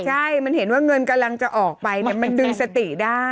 ใช่มันเห็นว่าเงินกำลังจะออกไปมันจึงสติได้